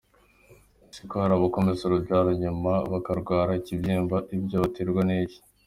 Ese ko hari ababoneza urubyaro nyuma bakarwara ibibyimba byo biterwa n’iki?.